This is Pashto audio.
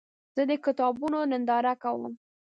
زه د کتابونو ننداره کوم.